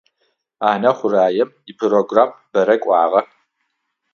Ӏэнэ хъураем ипрограммэ бэрэ кӏуагъэ.